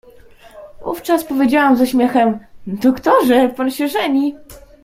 Wówczas powiedziałam ze śmiechem: „Doktorze, pan się żeni!”.